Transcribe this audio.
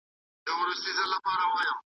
قصابي وه د حقونو د نادارو